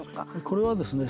これはですね